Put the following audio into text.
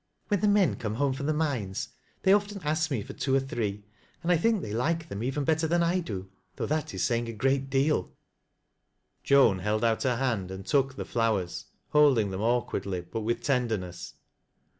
" When the men come home from the mines they often ask me for two or three, and I think they like them even better than I do — though that is saying a greaWt deal." Joan held out her hand, and took the flowers, holding them awkwardly, but with tenderness.